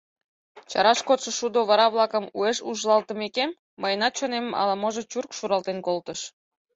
Чараш кодшо шудо вара-влакым уэш ужылалтымекем, мыйынат чонемым ала-можо чурк шуралтен колтыш.